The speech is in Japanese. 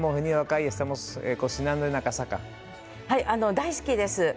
大好きです。